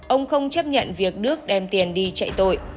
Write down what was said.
ông không chấp nhận việc đức đem tiền đi chạy tội